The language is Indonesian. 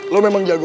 lo memang jago